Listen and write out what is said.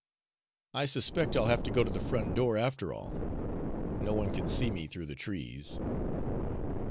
"I suspect I'll have to go to the front door, after all. No one can see me through the trees."